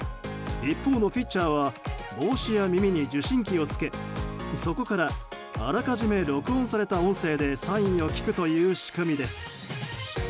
一方のピッチャーは帽子や耳に受信機をつけそこからあらかじめ録音された音声でサインを聞くという仕組みです。